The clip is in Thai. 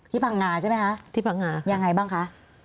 ที่ผังงาใช่ไหมคะยังไงบ้างคะที่ผังงาค่ะ